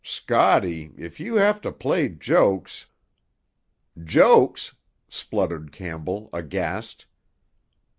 "Scotty, if you have to play jokes——" "Jokes!" spluttered Campbell, aghast.